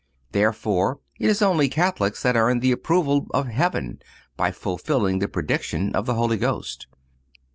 Therefore, it is only Catholics that earn the approval of Heaven by fulfilling the prediction of the Holy Ghost.